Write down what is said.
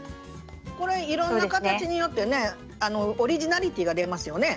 これいろんな形によってねオリジナリティーが出ますよね。